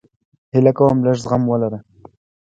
هیله کوم لږ زغم ولره